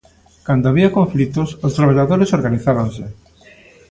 Cando había conflitos, os traballadores organizábanse.